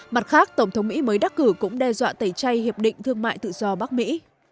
mặt khác tổng thống mỹ mới đắc cử cũng đe dọa tẩy chay hiệp định thương mại tự do bắc mỹ